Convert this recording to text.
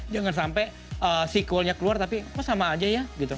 jangan sampai sequelnya keluar tapi kok sama aja ya gitu